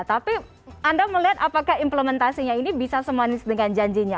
tapi anda melihat apakah implementasinya ini bisa semanis dengan janjinya